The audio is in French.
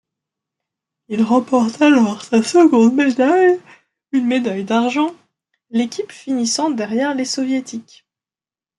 Il remporte alors sa seconde médaille, une médaille d'argent, l'équipe finissant derrière les Soviétiques.